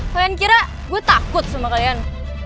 kalian kira gue takut sama kalian